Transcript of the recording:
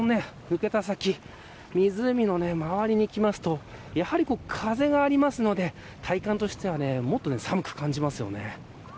こういった看板の抜けた先湖の周りに来ると風がありますので体感としてはもっと寒く感じますよね。